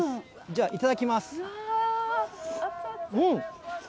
じゃあ、いただきます。